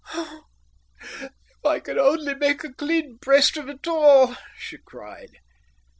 "Oh, if I could only make a clean breast of it all," she cried.